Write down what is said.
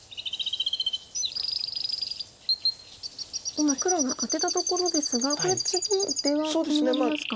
今黒がアテたところですがこれ次出は気になりますか。